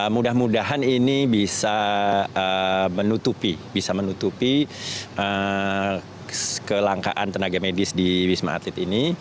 mudah mudahan ini bisa menutupi bisa menutupi kelangkaan tenaga medis di wisma atlet ini